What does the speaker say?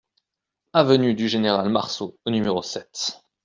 Avenue du Général Marceau au numéro sept